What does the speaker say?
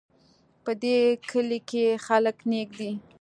په دې کلي کې خلک نیک دي